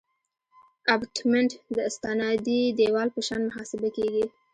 ابټمنټ د استنادي دیوال په شان محاسبه کیږي